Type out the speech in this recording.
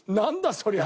そりゃ。